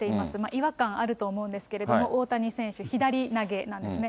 違和感あると思うんですけれども、大谷選手、左投げなんですね。